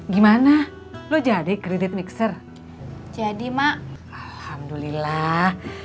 gimana lo jadi kredit mixer jadi mak alhamdulillah